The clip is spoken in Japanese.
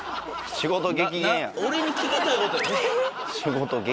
仕事激減。